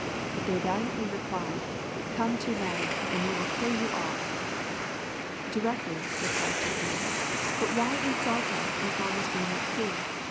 But they valiantly replied, "Come to land, and we will kill you all!" "Directly," replied Tupia, "but why insult us as long as we are at sea?